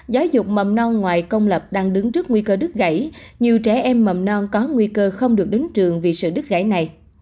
giáo dục mầm non ngoài công lập đang đứng trước nguy cơ đứt gãy nhiều trẻ em mầm non có nguy cơ không được đến trường vì sự đứt gãy này